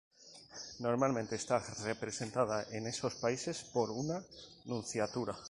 Normalmente está representada en esos países por una Nunciatura.